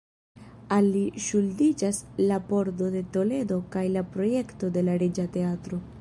Al li ŝuldiĝas la Pordo de Toledo kaj la projekto de la Reĝa Teatro.